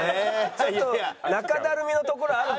ちょっと中だるみのところあるからね。